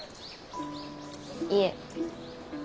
いえ。